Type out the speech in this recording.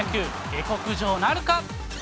下剋上なるか。